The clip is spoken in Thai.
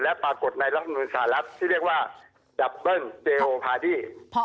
และปรากฏในรัฐมนุนสหรัฐที่เรียกว่าดับเบิ้ลเจโอพาดี้